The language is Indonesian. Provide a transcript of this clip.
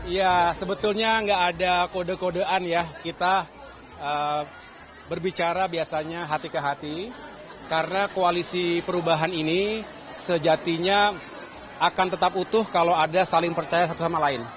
ya sebetulnya nggak ada kode kodean ya kita berbicara biasanya hati ke hati karena koalisi perubahan ini sejatinya akan tetap utuh kalau ada saling percaya satu sama lain